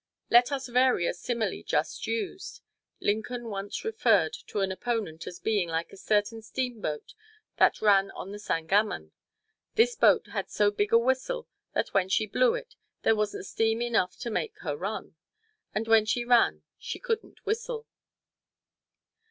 Let us vary a simile just used: Lincoln once referred to an opponent as being "like a certain steamboat that ran on the Sangamon. This boat had so big a whistle that when she blew it, there wasn't steam enough to make her run, and when she ran she couldn't whistle."